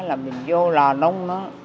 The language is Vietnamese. là mình vô lò nung nó